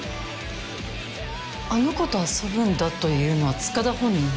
「あの子と遊ぶんだ」というのは塚田本人。